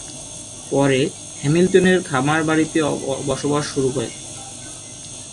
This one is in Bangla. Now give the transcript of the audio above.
পরে হ্যামিল্টনের খামার বাড়িতে বসবাস শুরু করে।